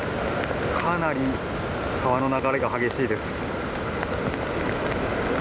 かなり川の流れが激しいです。